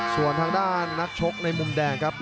ส่วนทางด้านนักชกในมุมแดงครับ